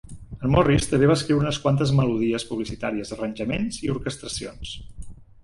En Morris també va escriure unes quantes melodies publicitàries, arranjaments i orquestracions.